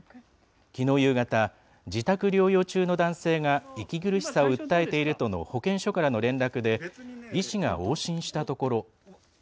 きのう夕方、自宅療養中の男性が息苦しさを訴えているとの保健所からの連絡で、医師が往診したところ。